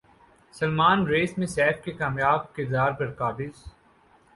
Salman race میں سیف کے کامیاب کردار پر قابض